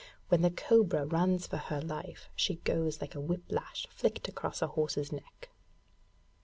When the cobra runs for her life, she goes like a whip lash flicked across a horse's neck.